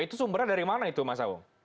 itu sumbernya dari mana itu mas aung